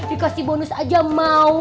dikasih bonus aja mau